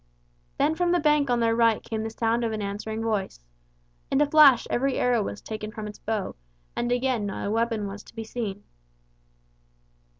Then from the bank on their right came the sound of an answering voice. In a flash every arrow was taken from its bow, and again not a weapon was to be seen.